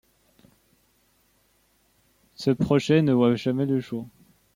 Ce projet ne voit jamais le jour.